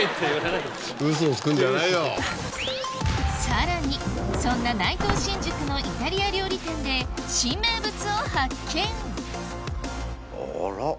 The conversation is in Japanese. さらにそんな内藤新宿のイタリア料理店で新名物を発見あら？